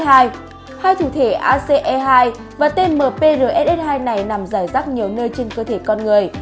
hai thụ thể ace hai và tmprss hai này nằm rải rắc nhiều nơi trên cơ thể con người